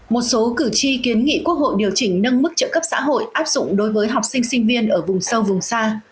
một số cử tri kiến nghị quốc hội điều chỉnh nâng mức trợ cấp xã hội áp dụng đối với học sinh sinh viên ở vùng sâu vùng xa